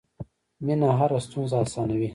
مینه هره ستونزه اسانوي.